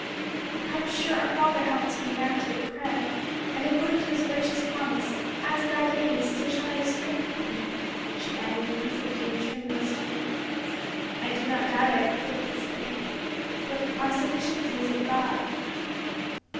"I am sure our Father helped me in answer to prayer, and according to his gracious promise, 'As thy days, so shall thy strength be,'" she added in subdued, tremulous tones. "I do not doubt it," said Mrs. Keith; "for 'our sufficiency is of God.'"